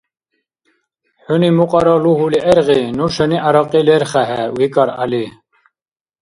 Хӏуни мукьара лугьули гӏергъи, нушани гӏярякьи лерхехӏе, — викӏар Гӏяли.